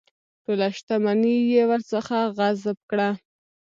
ټوله شته مني یې ورڅخه غصب کړه.